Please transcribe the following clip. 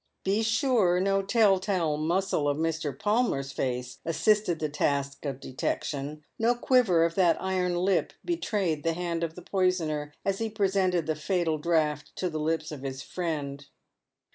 Ce sure no tell tale muscle of Mr. Palmer's face assisted the task of detection, no quiver of that iron lip betrayed the hand of tlie poisoner as he presented the fatal draught to the lips of his friend.